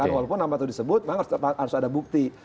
walaupun nama itu disebut memang harus ada bukti